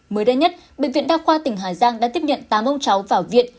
mới đây nhất bệnh viện đa khoa tỉnh hà giang đã tiếp nhận tám ông cháu vào viện